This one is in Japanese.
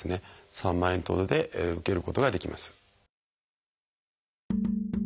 ３万円ほどで受けることができます。